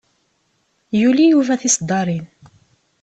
Yuli Yuba tiseddaṛin.